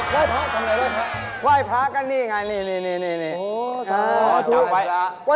ว่ายสู้พระก็นี่อย่างไง